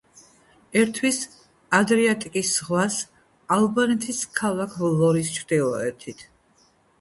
ერთვის ადრიატიკის ზღვას ალბანეთის ქალაქ ვლორის ჩრდილოეთით.